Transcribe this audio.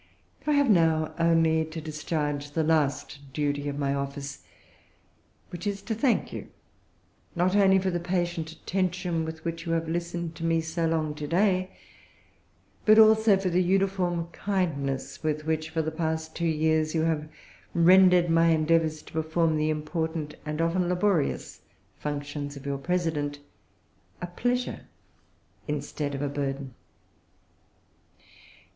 I have now only to discharge the last duty of my office, which is to thank you, not only for the patient attention with which you have listened to me so long to day, but also for the uniform kindness with which, for the past two years, you have rendered my endeavours to perform the important, and often laborious, functions of your President a pleasure instead of a burden.